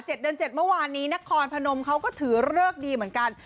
เจ็ดเมื่อวานนี้นครพนมเขาก็ถือเลิกดีเหมือนกัน